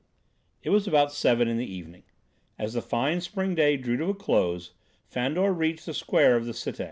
It was about seven in the evening. As the fine spring day drew to a close, Fandor reached the square of the Cité.